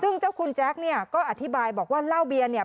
ซึ่งเจ้าคุณแจ๊คเนี่ยก็อธิบายบอกว่าเหล้าเบียร์เนี่ย